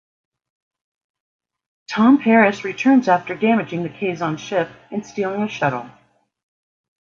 Tom Paris returns after damaging the Kazon ship and stealing a shuttle.